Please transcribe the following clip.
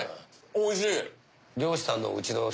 おいしい！